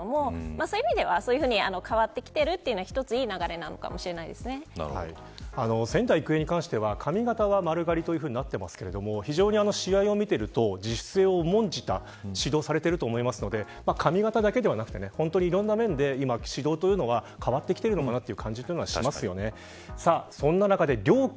そういう意味では変わってきているのは一つ、いい流れなのかも仙台育英に関しては髪形は丸刈りとなっていますけれども非常に試合を見ていると自主性を重んじた指導をされていると思いますので髪形だけではなくていろんな面で今、指導というのが変わってきているのかなという感じがしますよね。